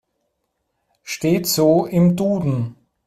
Steht so im Duden.